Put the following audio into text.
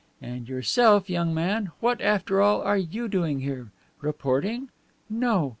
And yourself, young man, what, after all, are you doing here? Reporting? No.